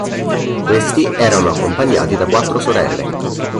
Questi erano accompagnati da quattro sorelle.